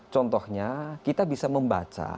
contohnya kita bisa membaca